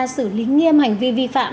xử lý nghiêm hành vi vi phạm